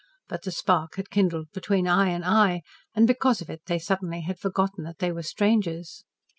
But the spark had kindled between eye and eye, and because of it they suddenly had forgotten that they were strangers.